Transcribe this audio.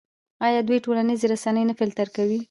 آیا دوی ټولنیزې رسنۍ نه فلټر کوي؟